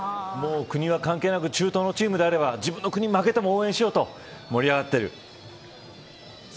国は関係なく中東のチームであれば自分の国が負けても応援しようと盛り上がっている。